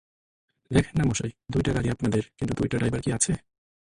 দেখেন না মশাই, দুইটা গাড়ি আপনাদের, কিন্তু দুইটা ড্রাইভার কি আছে?